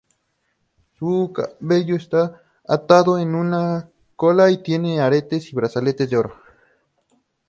Su cabello está atado en una cola y tiene aretes y brazaletes de oro.